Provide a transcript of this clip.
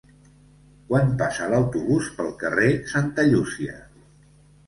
Quan passa l'autobús pel carrer Santa Llúcia?